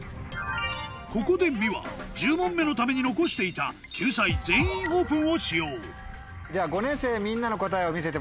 ここでｍｉｗａ１０問目のために残していた救済「全員オープン」を使用５年生みんなの答えを見せてもらいましょう。